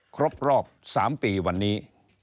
ครบรอบ๓ปีวันนี้